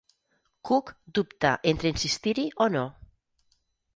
Cook dubta entre insistir-hi o no.